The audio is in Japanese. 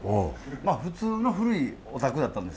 まあ普通の古いお宅やったんですよ。